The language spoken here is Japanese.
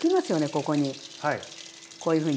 ここにこういうふうに。